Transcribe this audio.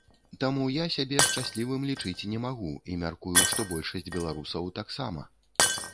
Таму я сябе шчаслівым лічыць не магу і мяркую, што большасць беларусаў таксама.